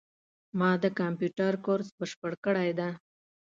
ما د کامپیوټر کورس بشپړ کړی ده